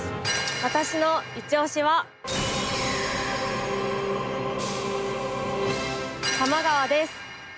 私のいちオシは多摩川です。